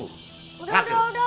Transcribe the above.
udah udah udah